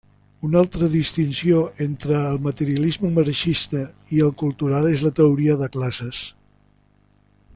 Una altra distinció entre el materialisme marxista i el cultural és la teoria de classes.